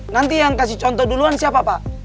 nanti yang kasih contoh duluan siapa pak